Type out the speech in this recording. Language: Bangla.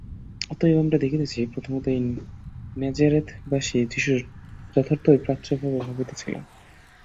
অতএব আমরা দেখিতেছি, প্রথমত এই ন্যাজারেথবাসী যীশু যথার্থই প্রাচ্য ভাবে ভাবিত ছিলেন।